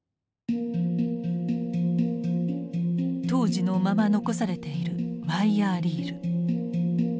当時のまま残されているワイヤーリール。